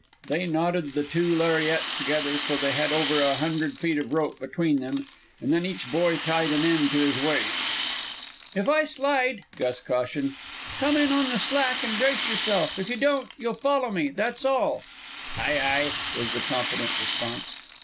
They knotted the two lariats together, so that they had over a hundred feet of rope between them; and then each boy tied an end to his waist. "If I slide," Gus cautioned, "come in on the slack and brace yourself. If you don't, you'll follow me, that's all!" "Ay, ay!" was the confident response.